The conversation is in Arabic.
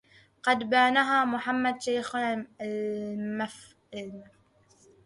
قد بناها محمد شيخنا المف